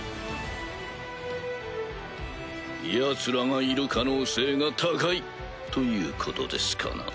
ヤツらがいる可能性が高いということですかな？